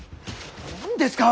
何ですか！